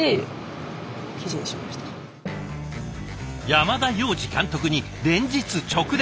山田洋次監督に連日直電？